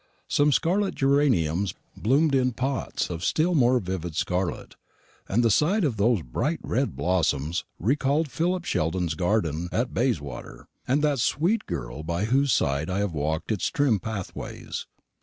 Some scarlet geraniums bloomed in pots of still more vivid scarlet; and the sight of those bright red blossoms recalled Philip Sheldon's garden at Bayswater, and that sweet girl by whose side I have walked its trim pathways.